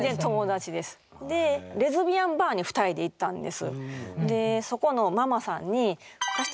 でレズビアンバーに２人で行ったんです。